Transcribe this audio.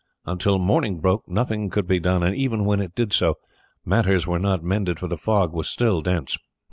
Until morning broke nothing could be done, and even when it did so matters were not mended, for the fog was still dense.